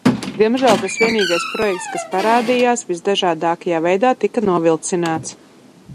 Diemžēl tas vienīgais projekts, kas parādījās, visdažādākajā veidā tika novilcināts.